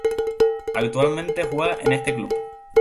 Actualmente juega en este club.